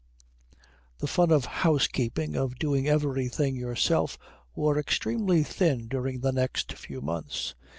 The fun of housekeeping, of doing everything yourself, wore extremely thin during the next few months.